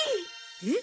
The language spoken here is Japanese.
えっ？